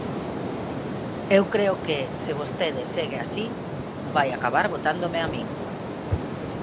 Eu creo que, se vostede segue así, vai acabar votándome a min.